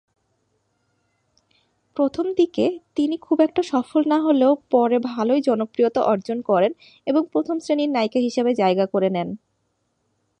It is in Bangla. প্রথমদিকে তিনি খুব একটা সফল না হলেও পরে ভালোই জনপ্রিয়তা অর্জন করেন এবং প্রথম শ্রেণীর নায়িকা হিসেবে জায়গা করে নেন।